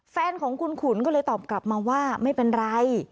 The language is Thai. แฟนของคุณขุนก็เลยตอบกลับมาว่าไม่เป็นไร